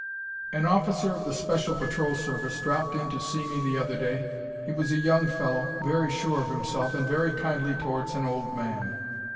An officer of the Special Patrol Service dropped in to see me the other day. He was a young fellow, very sure of himself, and very kindly towards an old man.